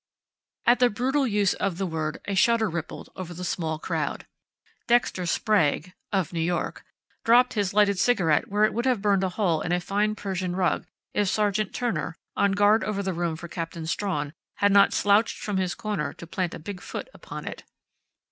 At the brutal use of the word a shudder rippled over the small crowd. Dexter Sprague, "of New York," dropped his lighted cigarette where it would have burned a hole in a fine Persian rug, if Sergeant Turner, on guard over the room for Captain Strawn, had not slouched from his corner to plant a big foot upon it.